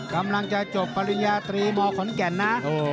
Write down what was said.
กำลังจะจบปริญญาตรีมขอนแก่นนะ